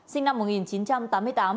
sinh năm một nghìn chín trăm tám mươi tám